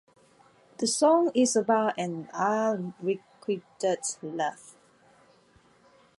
The song is about an unrequited love.